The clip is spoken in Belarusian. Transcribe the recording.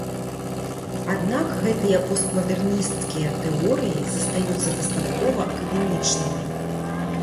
Аднак гэтыя постмадэрнісцкія тэорыі застаюцца дастаткова акадэмічнымі.